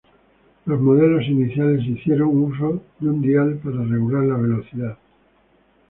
Los modelos iniciales hicieron uso de un dial para regular la velocidad.